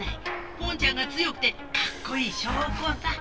ポンちゃんが強くてかっこいいしょうこさ。